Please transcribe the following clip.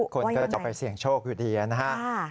คนก็จะเอาไปเสี่ยงโชคอยู่ดีนะฮะ